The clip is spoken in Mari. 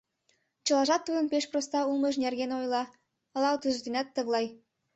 Чылажат тудын пеш проста улмыж нерген ойла, ала утыжденат тыглай.